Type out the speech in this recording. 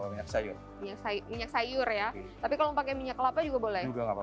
minyak sayur minyak sayur minyak sayur ya tapi kalau pakai minyak kelapa juga bisa dihubungkan dengan air